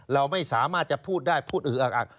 เราไม่สามารถจะพูดได้พูดอืออักอัก